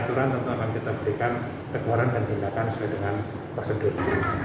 aturan tentu akan kita berikan teguran dan tindakan sesuai dengan prosedur